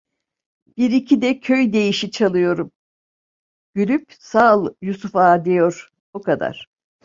Bir iki de köy deyişi çalıyorum, gülüp: "Sağ ol Yusuf Ağa", diyor. O kadar…